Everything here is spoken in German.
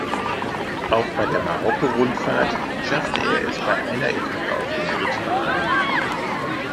Auch bei der Marokko-Rundfahrt schaffte er es bei einer Etappe auf den dritten Rang.